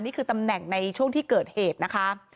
นี่คือตำแหน่งในช่วงที่เกิดเหตุนะคะ